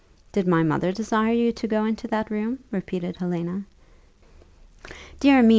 "Did my mother desire you to go into that room?" repeated Helena. "Dear me!